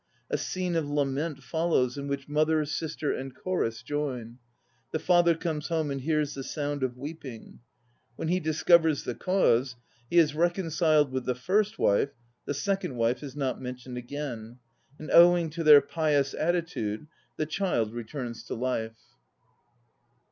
A scene of lament follows in which mother, sister and chorus join. The father comes home and hears the sound of weeping. When he discovert the cause, he is reconciled with the first wife (the second wife is not mentioned again), and owing to their pious at titude, the child returns to life.